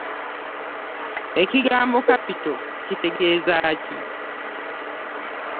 Ekigambo kapito kitegeeza ki?